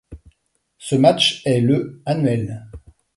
Ce match est le annuel.